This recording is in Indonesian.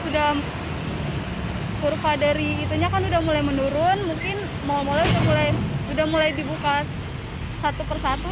dari itunya kan udah mulai menurun mungkin mulai mulai udah mulai dibuka satu persatu